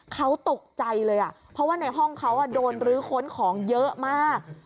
เขาตกใจเลยเพราะว่าในห้องเขาโดนรื้อค้นของเยอะมาก